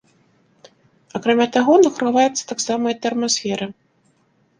Акрамя таго, награваецца таксама і тэрмасфера.